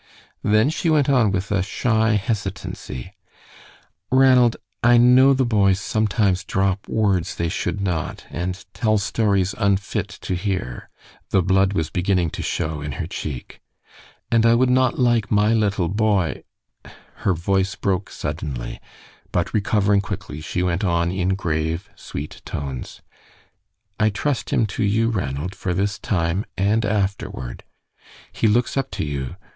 Then she went on with a shy hesitancy: "Ranald, I know the boys sometimes drop words they should not and tell stories unfit to hear"; the blood was beginning to show in her cheek; "and I would not like my little boy " Her voice broke suddenly, but recovering quickly she went on in grave, sweet tones: "I trust him to you, Ranald, for this time and afterward. He looks up to you.